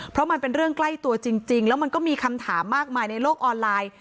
เพราะมันเป็นเรื่องใกล้ตัวจริงแล้วมันก็มีคำถามมากมายในโลกออนไลน์